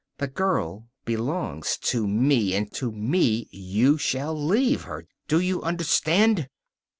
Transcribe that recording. The girl belongs to me, and to me you shall leave her; do you understand?